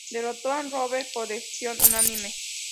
Derrotó a Rothwell por decisión unánime.